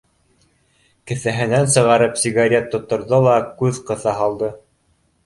Кеҫәһенән сығарып сигарет тотторҙо ла күҙ ҡыҫа һалды: